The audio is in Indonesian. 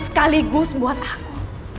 sekaligus buat aku